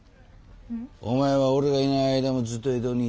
お前は俺がいない間もずっと江戸にいただろ。